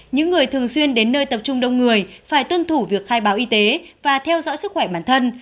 những người thường xuyên đến nơi tập trung đông người phải tuân thủ việc khai báo y tế và theo dõi sức khỏe bản thân